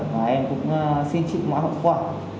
và em cũng xin chịu mọi hậu quả